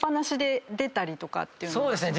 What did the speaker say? そうですね。